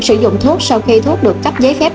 sử dụng thuốc sau khi thuốc được cấp giấy phép